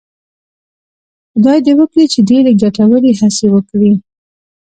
خدای دې وکړي چې ډېرې ګټورې هڅې وکړي.